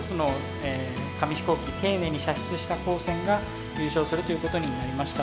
飛行機丁寧に射出した高専が優勝するということになりました。